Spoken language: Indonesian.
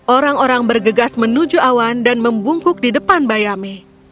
orang orang bergegas menuju awan dan membungkuk di depan bayame